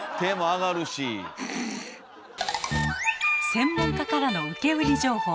専門家からの受け売り情報。